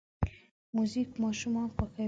موزیک ماشومان خوښوي.